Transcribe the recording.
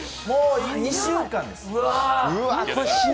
もう２週間です。